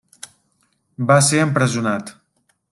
Va ser empresonat.